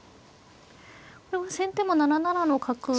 これは先手は７七の角と。